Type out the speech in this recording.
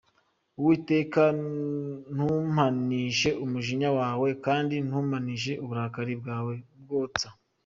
Uwiteka ntumpanishe umujinya wawe, Kandi ntumpanishe uburakari bwawe bwotsa.